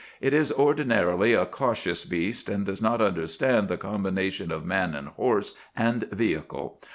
'It is ordinarily a cautious beast, and does not understand the combination of man and horse and vehicle.